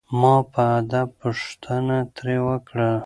ما په ادب پوښتنه ترې وکړه.